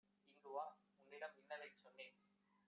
இங்குவா! உன்னிடம் இன்னதைச் சொன்னேன்